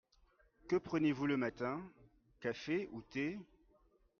Que prenez-vous le matin ? Café ou thé ?